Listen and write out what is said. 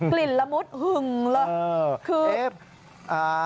กลิ่นละมุดหึ่งเหลอะ